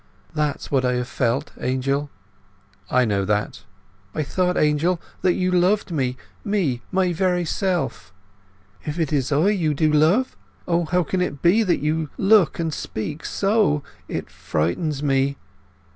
That's what I have felt, Angel!" "I know that." "I thought, Angel, that you loved me—me, my very self! If it is I you do love, O how can it be that you look and speak so? It frightens me!